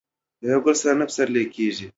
د یو ګل سره به پسرلی نه وي.